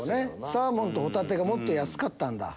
サーモンとホタテがもっと安かったんだ。